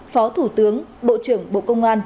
phó thủ tướng bộ trưởng bộ công an